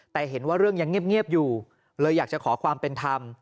แต่เห็นว่าเรื่องยังเงียบอยู่เลยอยากจะขอความเป็นธรรม